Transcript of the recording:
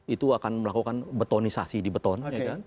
itu akan melakukan betonisasi di beton